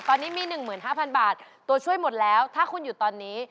ตัวช่วยหมดแล้วถ้าคุณหยุดตอนนี้